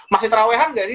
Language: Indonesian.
masih terawahan nggak sih